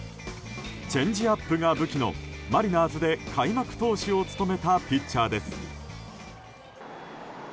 チェンジアップが武器のマリナーズで開幕投手を務めたピッチャーです。